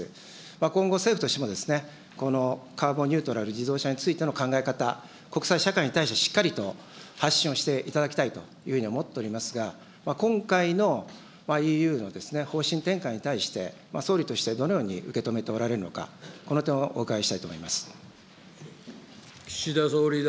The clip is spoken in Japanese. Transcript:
今後、政府としてもカーボンニュートラル、自動車についての考え方、国際社会に対してしっかりと発信をしていただきたいというふうに思っておりますが、今回のＥＵの方針転換に対して、総理としてどのように受け止めておられるのか、この点をお伺いしたいと思います。